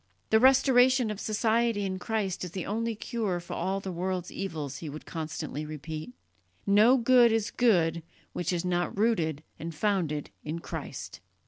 "The restoration of society in Christ is the only cure for all the world's evils," he would constantly repeat. "No good is good which is not rooted and founded in Christ."